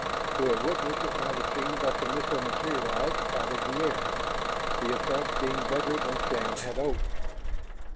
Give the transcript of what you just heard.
To a witness it might have seemed that the missile materialized out of the air, the effect being better than Shann had hoped.